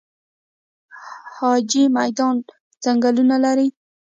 جاجي میدان ځنګلونه لري؟